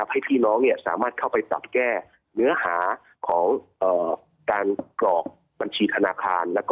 ให้พี่น้องสามารถเข้าไปปรับแก้เนื้อหาของการกรอกบัญชีธนาคาร